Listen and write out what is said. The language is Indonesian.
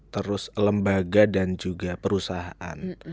terus lembaga dan juga perusahaan